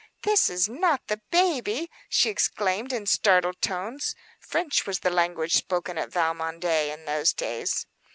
"This is not the baby!" she exclaimed, in startled tones. French was the language spoken at Valmondé in those days.